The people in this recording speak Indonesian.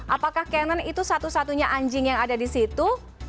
apakah canon itu satu satunya anjing yang ada di situ